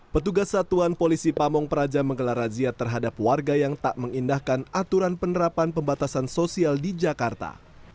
petugas satuan polisi pamong peraja menggelar razia terhadap warga yang tak mengindahkan aturan penerapan pembatasan sosial di jakarta